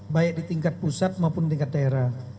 baik di tingkat pusat maupun tingkat daerah